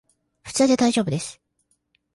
普通でだいじょうぶです